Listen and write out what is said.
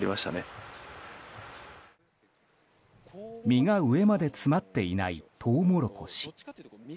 実が上まで詰まっていないトウモロコシ。